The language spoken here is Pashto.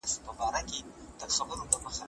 ملکي وګړي په نړیوالو غونډو کي رسمي استازیتوب نه لري.